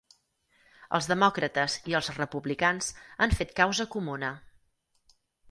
Els demòcrates i els republicans han fet causa comuna.